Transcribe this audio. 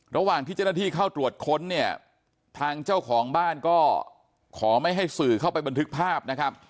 ระหว่างที่เจ้าหน้าที่เข้าตรวจค้นเนี่ยทางเจ้าของบ้านก็ขอไม่ให้สื่อเข้าไปบันทึกภาพนะครับ